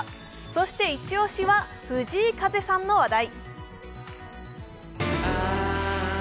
そしてイチ押しは、藤井風さんの話題。